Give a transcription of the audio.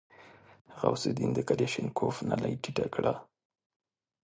غوث الدين د کلاشينکوف نلۍ ټيټه کړه.